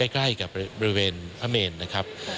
ใกล้กับบริเวณพระเมนนะครับ